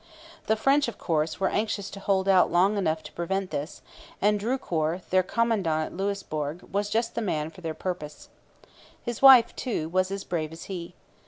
The French, of course, were anxious to hold out long enough to prevent this; and Drucour, their commandant at Louisbourg, was just the man for their purpose. His wife, too, was as brave as he.